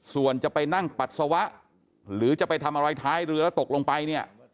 ส่วนจะไปนั่งปัสสาวะหรือจะไปทำอะไรท้ายเรือแล้วตกลงไปเนี่ย